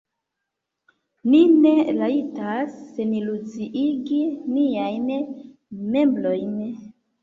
Ni ne rajtas seniluziigi niajn membrojn!